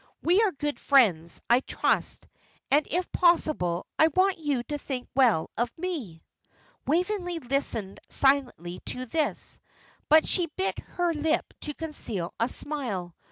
We are good friends, I trust, and if possible I want you to think well of me." Waveney listened silently to this, but she bit her lip to conceal a smile.